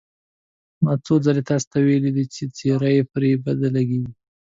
ما څو ځل تاسې ته ویلي دي، څېره یې پرې بده لګېږي.